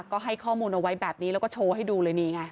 ก็ให้ข้อมูลเอาไว้แบบนี้แล้วก็โชว์ให้ดูเลยนี่ไง